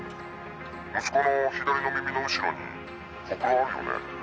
息子の左の耳の後ろにほくろあるよね？」